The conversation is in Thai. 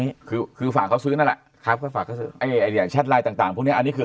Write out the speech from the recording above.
นี้คือคือฝากเขาซื้อนั่นแหละชัดไลน์ต่างพวกนี้อันนี้คือ